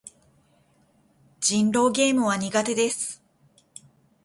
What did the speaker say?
人狼ゲームは苦手です。